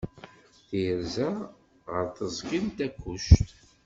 Tirza ɣer teẓgi n Takkuct.